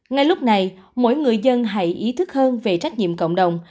ngay lúc này mỗi người dân hãy ý thức hơn về trách nhiệm cộng đồng